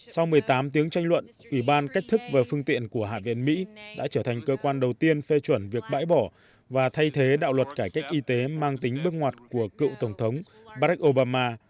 sau một mươi tám tiếng tranh luận ủy ban cách thức và phương tiện của hạ viện mỹ đã trở thành cơ quan đầu tiên phê chuẩn việc bãi bỏ và thay thế đạo luật cải cách y tế mang tính bước ngoặt của cựu tổng thống barack obama